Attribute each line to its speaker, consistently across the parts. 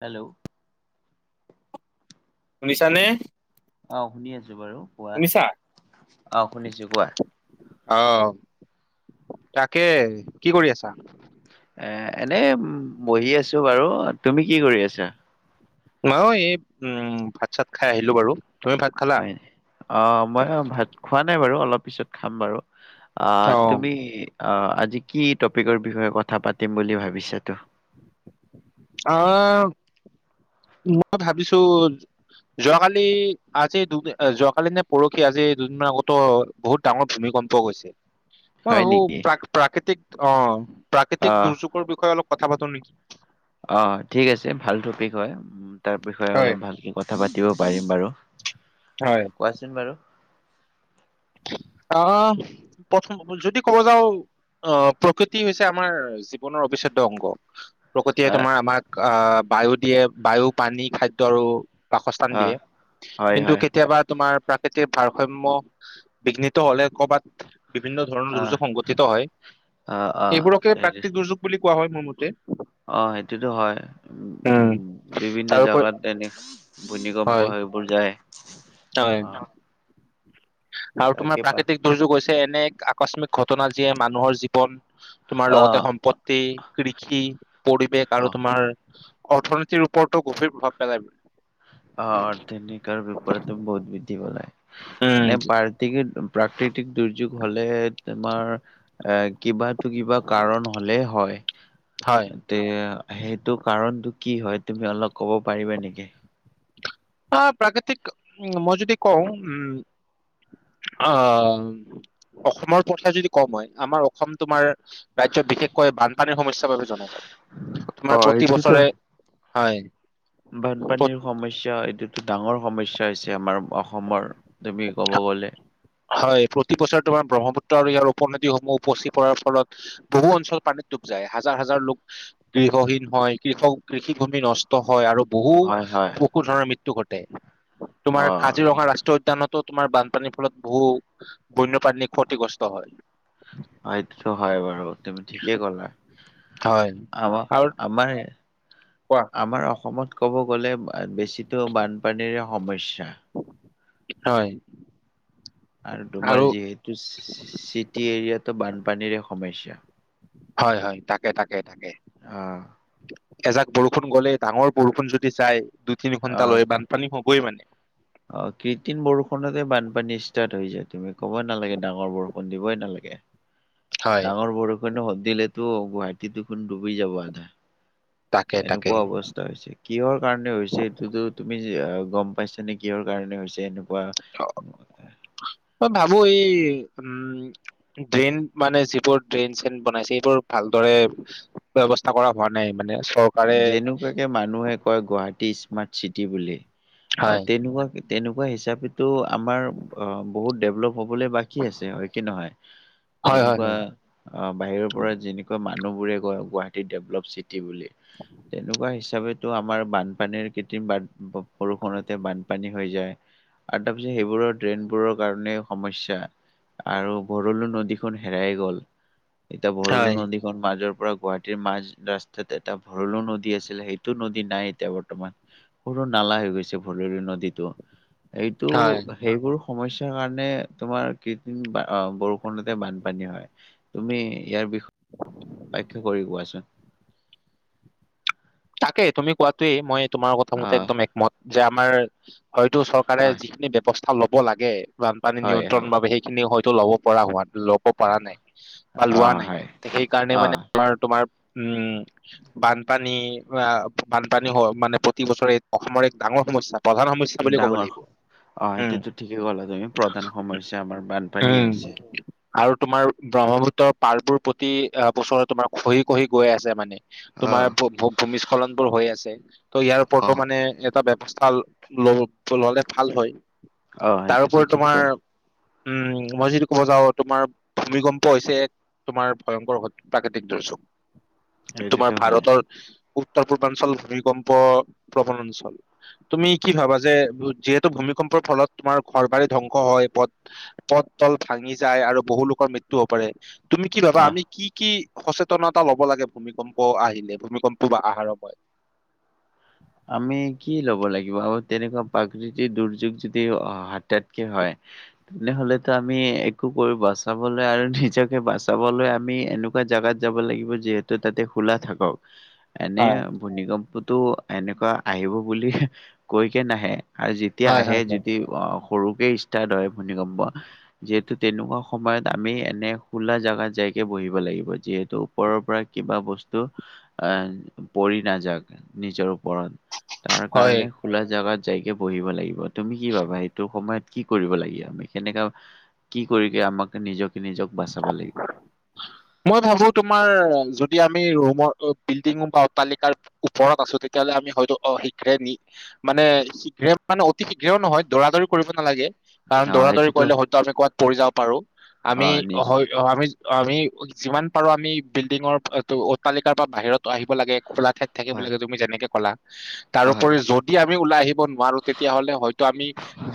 Speaker 1: Hello.
Speaker 2: শুনিছানে?
Speaker 1: আহ, শুনি আছোঁ বাৰু কোৱা।
Speaker 2: শুনিছা?
Speaker 1: আহ, শুনিছোঁ কোৱা।
Speaker 2: আহ, তাকে কি কৰি আছা?
Speaker 1: এ, এনেই বহি আছোঁ বাৰু। তুমি কি কৰি আছা?
Speaker 2: মইও এই উম, ভাত চাত খাই আহিলোঁ বাৰু, তুমি ভাত খালা?
Speaker 1: হয়, অ', মই অ', ভাত খোৱা নাই বাৰু, অলপ পিছত খাম বাৰু। অ', তুমি অ', আজি কি টপিকৰ বিষয়ে কথা পাতিম বুলি ভাবিছাতো?
Speaker 2: অ'। মই ভাবিছোঁ যোৱাকালি আজি দুদিন যোৱাকালি নে পৰহি আজি দুদিনমান আগতো বহুত ডাঙৰ ভূমিকম্প গৈছে। মই
Speaker 1: হয়
Speaker 2: ভাবোঁ
Speaker 1: নেকি
Speaker 2: প্ৰা-প্ৰাকৃতিক অ',
Speaker 1: অ
Speaker 2: প্ৰাকৃতিক দুৰ্যোগৰ বিষয়ে অলপ কথা পাতোঁ নেকি!
Speaker 1: অ', ঠিক আছে ভাল টপিক হয়, তাৰ বিষয়ে
Speaker 2: হয়
Speaker 1: অলপ ভালকে কথা পাতিব পাৰিম বাৰু।
Speaker 2: হয়।
Speaker 1: কোৱাচোন বাৰু?
Speaker 2: আহ, প্ৰথম যদি ক'ব যাওঁ অ', প্ৰকৃতি হৈছে আমাৰ জীৱনৰ অবিচ্ছেদ্য অংগ। প্ৰকৃতিয়ে
Speaker 1: হা
Speaker 2: তোমাৰ আমাক আহ, বায়ু দিয়ে বায়ু পানী খাদ্য আৰু বাসস্থান
Speaker 1: অ
Speaker 2: দিয়ে।
Speaker 1: হয়
Speaker 2: কিন্তু
Speaker 1: হয়
Speaker 2: কেতিয়াবা তোমাৰ প্ৰাকৃতিক ভাৰসাম্য বিঘ্নিত হ'লে ক'বাত বিভিন্ন ধৰণৰ
Speaker 1: অ
Speaker 2: দুৰ্যোগ সংঘটিত হয়,
Speaker 1: অ
Speaker 2: সেইবোৰকে
Speaker 1: অ
Speaker 2: প্ৰাকৃতিক দুৰ্যোগ বুলি কোৱা হয়, মোৰ মতে।
Speaker 1: অ', সেইটোতো হয়, উম। বিভিন্ন
Speaker 2: তাৰোপৰি
Speaker 1: জেগাত [unintelligible] এনে ভূমিকম্প
Speaker 2: হয়
Speaker 1: সেইবোৰ যায়। অ
Speaker 2: হয়। আৰু তোমাৰ
Speaker 1: তাকে পাই
Speaker 2: প্ৰাকৃতিক দুৰ্যোগ হৈছে এনে আকস্মিক ঘটনা যিয়ে মানুহৰ জীৱন তোমাৰ
Speaker 1: অ
Speaker 2: লগতে সম্পত্তি কৃষি পৰিৱেশ
Speaker 1: অ
Speaker 2: আৰু তোমাৰ অৰ্থনীতিৰ ওপৰতো গভীৰ প্ৰভাৱ পেলায়।
Speaker 1: অ', [unintelligible] ৰ বিপৰতো বহুত বিদ্ধি পেলায়,
Speaker 2: উম
Speaker 1: এনে পাৰ গতিকে প্ৰাকৃতিক দুৰ্যোগ হ'লেহে তোমাৰ এ, কিবা, কিবা কাৰণ হ'লে হয়।
Speaker 2: হয়
Speaker 1: তে সেইটো কাৰণটো কি হয়, তুমি অলপ ক'ব পাৰিবা নেকি?
Speaker 2: অ', প্ৰাকৃতিক উম, মই যদি কওঁ উম, অ' অসমৰ প্ৰথা যদি কওঁ মই, আমাৰ অসম তোমাৰ ৰাজ্যত বিশেষকৈ বানপানীৰ সমস্যাৰ বাবে জনাজাত।
Speaker 1: অ
Speaker 2: তোমাৰ প্ৰতি
Speaker 1: এইটোতো
Speaker 2: বছৰে, হয়। প্ৰ-
Speaker 1: বানপানীৰ সমস্যা এইটোতো ডাঙৰ সমস্যা হৈছে আমাৰ অসমৰ তুমি ক'ব গ'লে।
Speaker 2: হয়, প্ৰতি বছৰে তোমাৰ ব্ৰহ্মপুত্ৰ আৰু ইয়াৰ উপনদীসমূহ উপচি পৰাৰ ফলত বহু অঞ্চল পানীত ডুব যায়। হাজাৰ ল, হাজাৰ লোক গৃহহীন হয়, কৃষক কৃষিভূমি নষ্ট হয়, আৰু বহু
Speaker 1: হয় হয়
Speaker 2: পশু ধৰণৰ মৃত্যু ঘটে। তোমাৰ
Speaker 1: অ
Speaker 2: কাজিৰঙা ৰাষ্ট্ৰীয় উদ্যানত তোমাৰ বানপানীৰ ফলত বহু বন্যপ্ৰাণী ক্ষতিগ্ৰস্ত হয়।
Speaker 1: অ', এইতোতো হয়, বাৰু তুমি ঠিকেই ক'লা।
Speaker 2: হয়
Speaker 1: আমাৰ,
Speaker 2: আৰু
Speaker 1: আমাৰে
Speaker 2: কোৱা
Speaker 1: আমাৰ অসমত ক'ব গ'লে বেছিটো বানপানীৰে সমস্যা।
Speaker 2: হয়।
Speaker 1: আৰু তোমাৰ যিহেতু চি- টি এৰিয়াতো বানপানীৰে সমস্যা।
Speaker 2: হয় হয় তাকে তাকে তাকে।
Speaker 1: আঁহ।
Speaker 2: এজাক বৰষুণ গ'লে ডাঙৰ বৰষুণ যদি যায় দুই তিনি
Speaker 1: অ
Speaker 2: ঘন্টা লৈ বানপানী হবই মানে।
Speaker 1: অ কৃত্ৰিম বৰষুণতে বানপানী ষ্টাৰ্ট হৈ যায় তুমি ক'বই নালাগে ডাঙৰ বৰষুণ দিবই নালাগে।
Speaker 2: [unintelligible]
Speaker 1: ডাঙৰ বৰষুণ দিলেতো গুৱাহাটীদেখুন ডুবি যাব আধা।
Speaker 2: তাকে তাকে
Speaker 1: এনেকুৱা অৱ স্থা হৈছে কিহৰ কাৰণে হৈছে এইটোতো তুমি গম পাইছা নে কিহৰ কাৰণে হৈছে এনে কোৱা?
Speaker 2: মই ভাবো এই উম ড্ৰেইন মানে যিবোৰ ড্ৰেইন চেইন বনাইছে সেইবোৰ ভালদৰে ব্যৱস্থা কৰা হোৱা নাই মানে চক
Speaker 1: যেনেকুৱাকে মানুহে কয় গুৱাহাটী স্মাৰ্ট চিটি বুলি অহ
Speaker 2: হয়।
Speaker 1: তেনেকুৱাকে তেনেকুৱা হিচাপেটো আমাৰ অ বহুত ডেভলপ হবলে বাকী আছে হয় কি নহয়,
Speaker 2: হয় হয়
Speaker 1: যেনেকুৱা
Speaker 2: হয়
Speaker 1: আঁহ বাহিৰৰ পৰা যেনেকুৱা মানুহ বোৰে কয় গুৱাহাটী ডেভলপ চিটি বুলি তেনেকুৱা হিচাপেটো আমাৰ বানপানীৰ কৃত্ৰিম বান বৰষুণতে বানপানী হৈ যায় আৰু তাৰ পিছত সেইবোৰৰ ড্ৰেইনবোৰৰ কাৰণে সমস্যা। আৰু ভৰলো নদীখন হেৰাই গ'ল। এতিয়া ভৰলো
Speaker 2: হয়।
Speaker 1: নদীখন মাজৰ পৰা গুৱাহাটীৰ মাজ ৰাস্তাতে এতিয়া ভৰলো নদী আছিলে সেইটো নদী নাই এতিয়া বৰ্তমান। সৰু নালা হৈ গৈছে ভৰলো নদীটো এইটো
Speaker 2: হয়।
Speaker 1: সেইবোৰ সমস্যাৰ কাৰণে তোমাৰ কৃত্ৰিম আ বৰষুণতে বানপানী হয়। তুমি ইয়াৰ বিষয়ে পাঠ্য কৰি কোৱাচোন।
Speaker 2: তাকেই তুমি কোৱাটোৱেই মই তোমাৰ কথা মতে
Speaker 1: আহ
Speaker 2: একদম একমত যে আমাৰ হয়তো চৰ কাৰে
Speaker 1: হয়
Speaker 2: যিখিনি ব্যৱস্থা ল'ব লাগে বানপানী
Speaker 1: হয় হয়
Speaker 2: নিয়ন্ত্ৰণৰ বাবে সেই খিনি হয়তো ল'ব পৰা হোৱা ল'ব পৰা নাই বা
Speaker 1: অ
Speaker 2: লোৱা নাই,
Speaker 1: হয়
Speaker 2: সেইকাৰণে
Speaker 1: অ
Speaker 2: মানে তোমাৰ তোমাৰ উম বানপানী আহ বানপানী মানে প্ৰতি বছৰে অসমৰ এক ডাঙৰ সমস্যা প্ৰধান সমস্যা বুলি ক'ব লাগিব।
Speaker 1: অহ
Speaker 2: উম,
Speaker 1: সেইটোটো ঠিকেই ক'লা তুমি প্ৰধান সমস্যা আমাৰ
Speaker 2: উম,
Speaker 1: বানপানীয়ে হৈছে।
Speaker 2: আৰু তোমাৰ ব্ৰহ্মপুত্ৰৰ পাৰবোৰ প্ৰতি বছৰে তোমাৰ খহি খহি গৈ আছে মানে।
Speaker 1: অ
Speaker 2: তোমাৰ ভূমিস্খলন বোৰ হৈ আছে ত ইয়াৰ
Speaker 1: অ
Speaker 2: ওপৰতো মানে কিবা ব্যৱস্থা ল ললে ভাল হয়,
Speaker 1: অ সেইটোতো
Speaker 2: তাৰওপৰি
Speaker 1: ঠিক ক'লা
Speaker 2: তোমাৰ উম মই যিটো ক'ব যাওঁ তোমাৰ ভূমিকম্প হৈছে তোমাৰ ভয়ংকৰ প্ৰাকৃতিক দুৰ্যোগ, তোমাৰ
Speaker 1: সেইটোতো হয়
Speaker 2: ভাৰতৰ উত্তৰ পূৰ্বাঞ্চল ভূমিকম্প প্ৰৱণ অঞ্চল তুমি কি ভাবা যে যিহেতু ভূমিকম্পৰ ফলত তোমাৰ ঘৰ বাৰী ধ্বংস হয় পথ পথ তল ভাঙি যায় আৰু বহু লোকৰ মৃত্যু হব পাৰে। তুমি কি ভাবা
Speaker 1: অ
Speaker 2: আমি কি কি সচেতনতা লব লাগে ভূমিকম্প আহিলে, ভূমিকম্প কোবা আহাৰক হয়।
Speaker 1: আমি কি ল'ব লাগিব আঁ তেনেকুৱা প্ৰাকৃতিক দুৰ্যোগ যদি হতাৎকে হয় তেনেহলেতো আমি একো কৰি বচাবলৈ আৰু নিজকে বচাবলৈ আমি এনো কোৱা জাগাত যাব লাগিব যিহেতু তাতে খোলা থাকক। এনে
Speaker 2: হয়
Speaker 1: ভূমিকম্পতো এনেকুৱা আহিব বুলি কৈ কে নাহে আৰু যেতিয়া
Speaker 2: হয়
Speaker 1: আহে
Speaker 2: হয়
Speaker 1: যদি অহ সৰুকে ইষ্টাট হয় ভূনিকম্প যিহেতু তেনেকুৱা সময়ত আমি এনে খোলা জাগাত যাইকে বহিব লাগিব যিহেতু ওপৰৰ পৰা কিবা বস্তু আহ পৰি নাযাক নিজৰ ওপৰত তাৰ
Speaker 2: হয়
Speaker 1: কাৰণে খোলা জাগাত যাইকে বহিব লাগিব তুমি কি ভাবা সেইটো সময়ত কি কৰিব লাগিব আমি কেনেকা কি কৰিবি আমাক নিজকে নিজক বাচাবা লাগিব
Speaker 2: মই ভাবোঁ তোমাৰ যদি আমি ৰুমৰ বিলডিংত বা অট্টালিকাৰ ওপৰত আছোঁ তেতিয়াহ'লে আমি হয়তো অ', শীঘ্ৰে নি মানে শীঘ্ৰে মানে অতি শীঘ্ৰেও নহয় দৌৰা দৌৰি কৰিব নালাগে। কাৰণ
Speaker 1: অ
Speaker 2: দৌৰা দৌৰি
Speaker 1: সেইটোতো
Speaker 2: কৰিলে হয়তো আমি ক'বাত পৰি যাব পাৰোঁ
Speaker 1: অ
Speaker 2: আমি
Speaker 1: নিজ
Speaker 2: অ', আমি আমি যিমান পাৰোঁ আমি বিল্ডিঙৰ অটালিকাৰ পৰা বাহিৰত আহিব লাগে খোলা থ থাকে
Speaker 1: হয়
Speaker 2: বোলে তুমি যেনেকে ক'লা তাৰ
Speaker 1: অ হয়।
Speaker 2: ওপৰি যদি আমি ওলাই আহি ব নোৱাৰো তেতিয়াহ'লে হয়তো আমি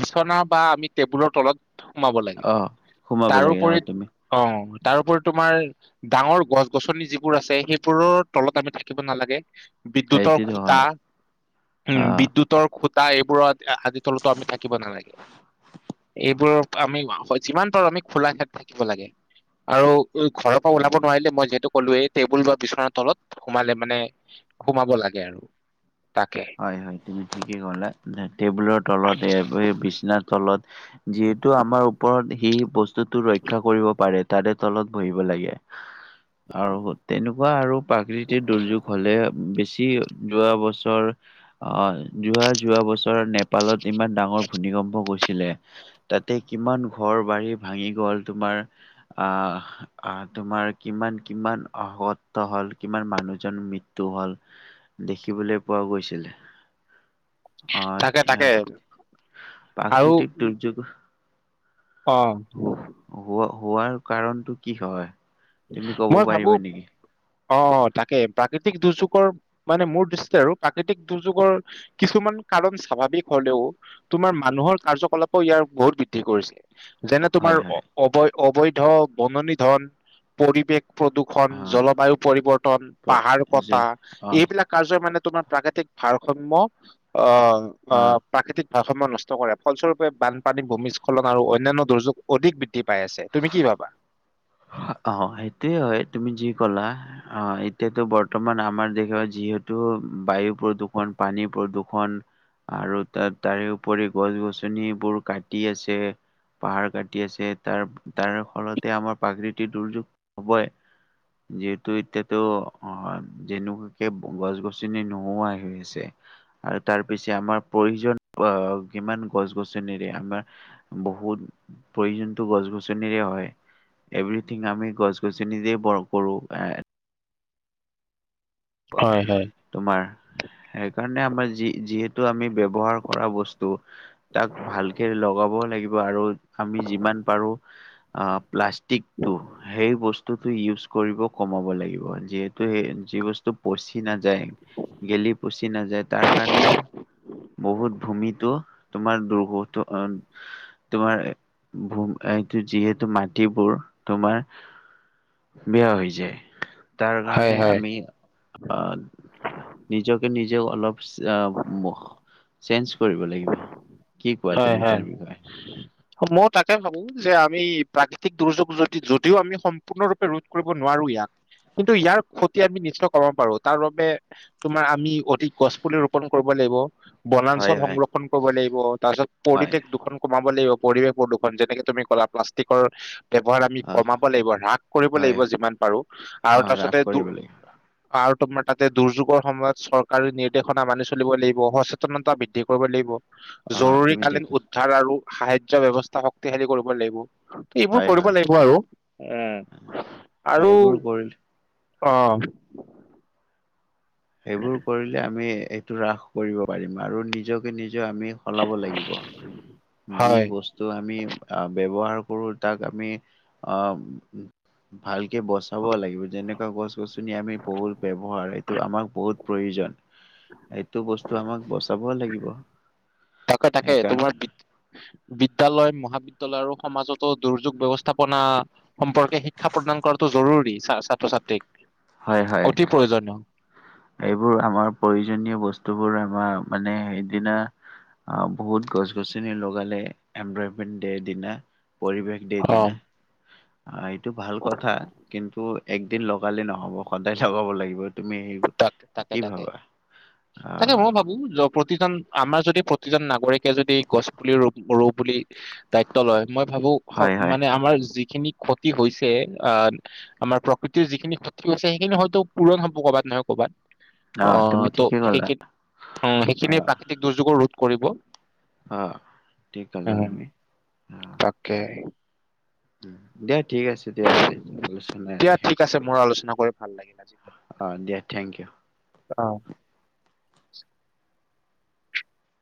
Speaker 2: বিচনা বা আমি টেবুলৰ তলত সোমাব লাগে
Speaker 1: অ সোমাব লাগে অ
Speaker 2: তাৰোপৰি
Speaker 1: তুমি
Speaker 2: অ' তাৰোপৰি তোমাৰ ডাঙৰ গছ গছনি যিবোৰ আছে সেইবোৰৰ তলত আমি থাকিব নালাগে। বিদ্যুত
Speaker 1: সেইটোতো
Speaker 2: খুটা
Speaker 1: হয়
Speaker 2: উম,
Speaker 1: অ
Speaker 2: বিদ্যুত তৰ খুটা এইবোৰত আদি তলতো আমি থাকিব নালাগে। এইবোৰ আমি যিমান পাৰোঁ আমি খোলা ক্ষেত্ৰত থাকিব লাগে, আৰু ঘৰৰ পৰা
Speaker 1: হয়
Speaker 2: ওলাব
Speaker 1: হয়
Speaker 2: নোৱাৰিলে মই যিহেতু সকলোৱে টেবুল বা বিচনাৰ তলত সোমালে মানে সোমাব লাগে আৰু তাকে।
Speaker 1: হয় হয় তুমি ঠিকেই ক'লা টেবুলৰ তলত এই বিশ্বনাথ তলত যিহেতু আমাৰ ওপৰত সেই বস্তুটো ৰক্ষা কৰিব পাৰে। তাৰে তলত বহিব লাগে। আৰু তেনেকুৱা আৰু প্ৰাকৃতিক দুৰ্যোগ হ'লে বেছি যোৱা বছৰ আহ যোৱা যোৱা বছৰত নেপালত ইমান ডাঙৰ ভূমিকম্প গৈছিলে। তাতে কিমান ঘৰ বাৰী ভাঙি গ'ল তোমাৰ আহ আহ তোমাৰ কিমান কিমান অগত হ'ল কিমান মানুহজনৰ মৃত্যু হ'ল। দেখিবলৈ পোৱা গৈছিলে,
Speaker 2: তাকে
Speaker 1: আহ ই
Speaker 2: তাকে আৰু
Speaker 1: প্ৰাকৃতিক দুৰ্যোগ
Speaker 2: অ
Speaker 1: হোৱা হোৱাৰ কাৰণটো কি হয়? তুমি ক'ব
Speaker 2: মই ভাবো
Speaker 1: পাৰিবা নেকি
Speaker 2: অ', অ' তাকে প্ৰাকৃতিক দুৰ্যোগৰ মানে মোৰ দৃষ্টি আৰু প্ৰাকৃতিক দুৰ্যোগৰ কিছুমান কাৰণ স্বাভাৱিক হ'লেও তোমাৰ মানুহৰ কাৰ্যকলাপো ইয়াৰ বহুত বৃদ্ধি কৰিছে। যেনে
Speaker 1: হয়
Speaker 2: তোমাৰ
Speaker 1: হয়
Speaker 2: অ অবৈধ বননি ধন পৰিৱেশ প্ৰদূ খন
Speaker 1: অ
Speaker 2: জলবায়ু পৰিবৰ্তন
Speaker 1: প-
Speaker 2: পাহাৰ
Speaker 1: যে
Speaker 2: কটা
Speaker 1: অ
Speaker 2: এইবিলাক কাৰ্যই মানে তোমাৰ প্ৰাকৃতিক ভাৰসাম্য আহ
Speaker 1: অ
Speaker 2: আহ প্ৰাকৃতিক ভাৰসাম্য নষ্ট কৰে ফলস্বৰূপে বানপানী ভূমিস্খলন আৰু অন্যান্য দুৰ্যোগ অধিক বৃদ্ধি পাই আছে। তুমি কি ভাবা?
Speaker 1: অ' সেইটোয়ে হয় তুমি যি ক'লা। অ' এতিয়াতো বৰ্তমান আমাৰ দেখা যিহেতু বায়ু প্ৰদূৰ্ষণ পানী প্ৰদূৰ্ষন আৰু তাত তাৰে উপৰি গছ গছনিবোৰ কাটি আছে। পাহাৰ কাটি আছে তাৰ তাৰ ফলতে আমাৰ প্ৰাকৃতিৰ দুৰ্যোগ হ'বই। যিহেতু এতিয়াতো হয়। যেনেকুৱাকে গছ গছনি নোহোৱাই হৈ আছে। আৰু তাৰ পিছে আমাৰ প্ৰয়োজন আহ কিমান গছ গছনিৰে আমাৰ বহুত প্ৰয়োজনতো গছ গছনিৰে হয়। এভৰিথিং আমি গছ গছনিৰেই ব কৰোঁ, এঁ- পৱা
Speaker 2: হয় হয়
Speaker 1: তোমাৰ- সেইকাৰণে আমাৰ যি যিহেতু আমি ব্যৱহাৰ কৰা বস্তু- তাক ভালকে লগাব লাগিব আৰু আমি যিমান পাৰো আহ প্লাচ- ষ্টিকটো সেই বস্তুটো ইউজ কৰিব কমাব লাগিব। যিহেতু সেই যি বস্তু- পচি নাযায়, গেলি পচি নাযায় তাৰ কাৰণেও- বহুত ভূমিতো তোমাৰ দুৰহত- তোমাৰ ভোম এইটো যিহেতু মাটিবোৰ তোমাৰ- বেয়া হৈ যায়, তাৰ
Speaker 2: হয়
Speaker 1: কাৰণে
Speaker 2: হয়
Speaker 1: আমি আহ- নিজকে নিজে অলপ অঁ' চেঞ্জ কৰিব লাগিব। কি কোৱা
Speaker 2: হয়
Speaker 1: তুমি তাৰ
Speaker 2: হয়।
Speaker 1: বিষয়ে?
Speaker 2: অ মও তাকে ভাবো, যে আমি প্ৰাকৃতিক দুৰ্যোগ যদি যদিও আমি সম্পূৰ্ণৰূপে ৰোধ কৰিব নোৱাৰো ইয়াক- কিন্তু, ইয়াৰ ক্ষতি আমি নিশ্চয় কমাব পাৰো। তাৰ বাবে, - তোমাৰ আমি অধিক গছ পুলি ৰোপন কৰিব লাগিব।
Speaker 1: হয়
Speaker 2: বনাঞ্চল
Speaker 1: হয়
Speaker 2: সংৰক্ষণ কৰিব লাগিব। তাৰপিছত,
Speaker 1: হয়
Speaker 2: পৰিৱেশ দুখন- কমাব লাগিব, পৰিৱেশ প্ৰদূষণ। যেনেকে তুমি ক'লা প্লাষ্টিকৰ- ব্যৱহাৰ আমি
Speaker 1: অ
Speaker 2: কমাব লাগিব হ্ৰাস কৰিব
Speaker 1: হয়
Speaker 2: লাগিব যিমান পাৰো,
Speaker 1: অ
Speaker 2: আৰু
Speaker 1: ৰাস
Speaker 2: তাৰপিছতে
Speaker 1: কৰিব
Speaker 2: দু-
Speaker 1: লাগিব
Speaker 2: আৰু তোমাৰ তাতে দুৰ্যোগৰ সময়ত চৰকাৰী নিৰ্দেশনা মানি চলিব লাগিব। সচে- তনতা বৃদ্ধি কৰিব লাগিব।
Speaker 1: অ তুমি ঠিক
Speaker 2: জৰুৰীকালীন
Speaker 1: কৈছা।
Speaker 2: উদ্ধাৰ আৰু সাহাৰ্য্য ব্যৱস্থা শক্তিশালী কৰিব লাগিব। এইবোৰ
Speaker 1: হয়
Speaker 2: কৰিব
Speaker 1: হয়
Speaker 2: লাগিব আৰু, উম' আৰু
Speaker 1: সেইবোৰ কৰিল
Speaker 2: অঁ।
Speaker 1: এইবোৰ কৰিলে আমি এইটো হ্ৰাস কৰিব পাৰিম। আৰু নিজকে নিজে আমি সলাব লাগিব। যি
Speaker 2: হয়
Speaker 1: বস্তু আমি আ ব্যৱহাৰ কৰো, তাক আমি আহ- ভালকে বচাব লাগিব। যেনেকুৱা গছ গছনি আমি বহুল ব্যৱহাৰ এইটো আমাক বহুত- প্ৰয়োজন। এইটো বস্তু আমাক বচাবই লাগিব।
Speaker 2: তাকে তাকে,
Speaker 1: সেইকাৰণে
Speaker 2: তোমাৰ বিদ্যালয়, মহাবিদ্যালয় আৰু সমাজত- ত' দুৰ্যোগ ব্যৱস্থাপনা সম্পৰ্কে শিক্ষা প্ৰদান কৰাটো জৰুৰী ছা ছাত্ৰ-ছাত্ৰীক।
Speaker 1: হয় হয়
Speaker 2: অতি প্ৰয়োজনীয়।
Speaker 1: এইবোৰ আমাৰ প্ৰয়োজনীয় বস্তুবোৰ আমাৰ মানে সেইদিনা- অঁ' বহুত গছ গছনি লগালে, এনভাৰমেন্ট ডেৰ দিনা পৰিৱেশ ডেৰ দিনা।
Speaker 2: [inaudible]
Speaker 1: অ' এইটো ভাল কথা, কিন্তু একদিন লগালে নহব সদায় লগাব লাগিব তুমি হেৰি-
Speaker 2: তাক তাকে তাকে, তাকে
Speaker 1: আহ
Speaker 2: মই ভাবো জব- প্ৰতিজন আমাৰ যদি প্ৰতিজন নাগৰিকে যদি গছ পুলি ৰুব ৰু বুলি- দায়িত্ব লয়, মই ভাবো
Speaker 1: হয় হয়
Speaker 2: মানে আমাৰ যিখিনি- ক্ষতি হৈছে আ আমাৰ প্ৰকৃতিৰ যিখিনি ক্ষতি হৈছে সেইখিনি হয়তো পূৰণ হ'ব ক'বাত নহয়- কবাত,
Speaker 1: আহ
Speaker 2: অঁহ
Speaker 1: তুমি
Speaker 2: ত'
Speaker 1: ঠিকে ক'লা
Speaker 2: সেইখিন সেইখিনিয়ে
Speaker 1: আহ
Speaker 2: প্ৰাকৃতিক দুৰ্যোগৰ ৰোধ কৰিব।
Speaker 1: অঁ ঠিক কলা তুমি, অঁ'।
Speaker 2: কে হেই-
Speaker 1: দিয়া ঠিক আছে। এতিয়া এইটো আলোচনা
Speaker 2: দিয়া
Speaker 1: ইয়াতে শেষ
Speaker 2: ঠিক আছে
Speaker 1: কৰো।
Speaker 2: মোৰ আলোচনা কৰি ভাল লাগিল
Speaker 1: অঁ' দিয়া থেংক ইউ।
Speaker 2: অঁ'